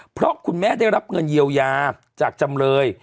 เพราะคุณแม่ได้รับเงินเยียวยาจากจำเลย